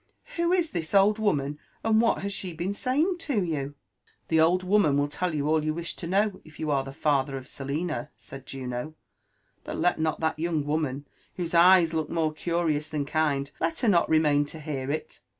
Who is this old woman ? and what has she been saying to youT' '< The o}d woman will tell you all you wish to know, if you are the father of Selina!" said Juno. *' But let not that young woman, whose eyes look more curious than kind— let her not remain to hear it.